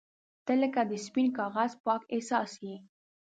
• ته لکه د سپین کاغذ پاک احساس یې.